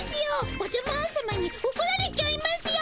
おじゃマーンさまにおこられちゃいますよ。